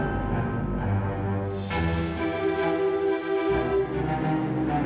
jangan lupa ketinggian namaeven